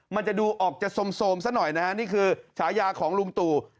มันจะดูออกจะสมซะหน่อยนะฮะนี่คือฉายาของลุงตู่